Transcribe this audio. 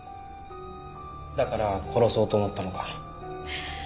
だから殺そうと思ったのか？